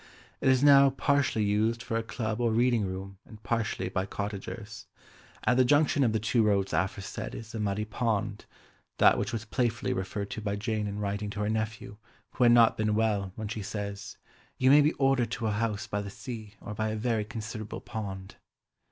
It is now partially used for a club or reading room and partially by cottagers. At the junction of the two roads aforesaid is a muddy pond, that which was playfully referred to by Jane in writing to her nephew, who had not been well, when she says "you may be ordered to a house by the sea or by a very considerable pond."